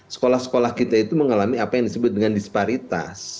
sekolah sekolah kita itu mengalami apa yang disebut dengan disparitas